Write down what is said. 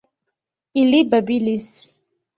Ili babilis.